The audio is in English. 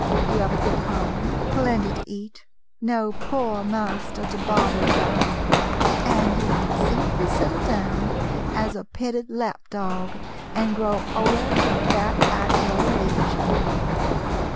You have a good home, plenty to eat, no poor master to bother about, and you can simply settle down as a petted lap dog, and grow old and fat at your leisure."